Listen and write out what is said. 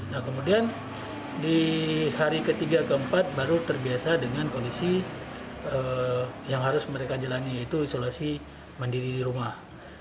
nah kemudian di hari ketiga keempat baru terbiasa dengan kondisi yang harus mereka jalani yaitu isolasi mandiri di rumah